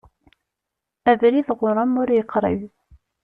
Abrid ɣur-m ur yeqrib.